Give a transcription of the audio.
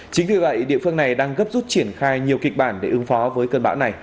chính vì vậy địa phương này đang gấp rút triển khai nhiều kịch bản để ứng phó với cơn bão này